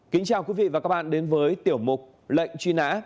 kính chào quý vị và các bạn đến với tiểu mục lệnh truy nã